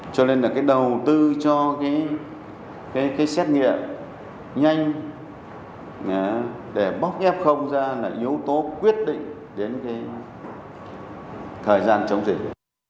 cho nên là cái đầu tư cho cái xét nghiệm nhanh để bóc f ra là yếu tố quyết định đến thời gian chống dịch